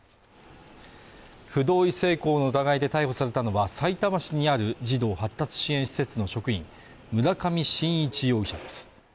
不同意性交の疑いで逮捕されたのはさいたま市にある児童発達支援施設の職員村上信一容疑者です